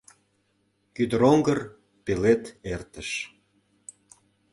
Кӱдыроҥгыр пелед эртыш.